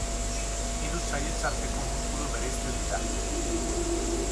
Hiru saihetsarteko muskulu bereizten dira.